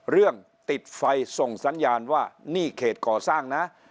เรื่องติดไฟส่งสัญญาณว่านี่เขตก่อสร้างนะ